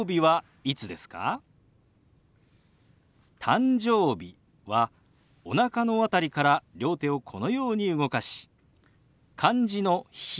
「誕生日」はおなかのあたりから両手をこのように動かし漢字の「日」。